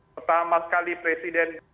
pertama kali presiden